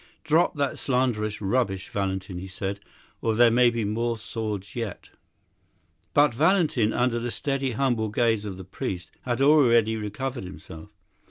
"Drop that slanderous rubbish, Valentin," he said, "or there may be more swords yet." But Valentin (under the steady, humble gaze of the priest) had already recovered himself.